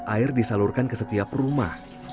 air disalurkan ke setiap rumah